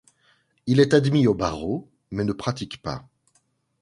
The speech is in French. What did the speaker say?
Il est admis au barreau mais ne pratique pas.